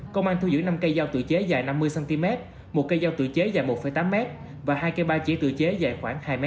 công an thu giữ năm cây dao tự chế dài năm mươi cm một cây dao tự chế dài một tám m và hai cây ba chỉ tự chế dài khoảng hai m